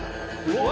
うわ！